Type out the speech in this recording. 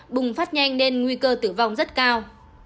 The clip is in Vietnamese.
bùng phát nhanh nên nguy cơ tử vong rất cao